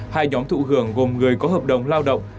hai nhóm thụ hưởng gồm người có hợp đồng lao động